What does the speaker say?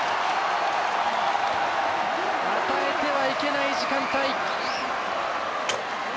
与えてはいけない時間帯。